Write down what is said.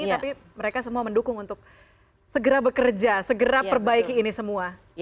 tapi mereka semua mendukung untuk segera bekerja segera perbaiki ini semua